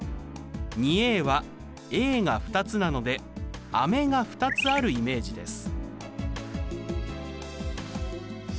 ２はが２つなので飴が２つあるイメージです。